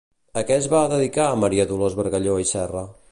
A què es va dedicar Maria Dolors Bargalló i Serra?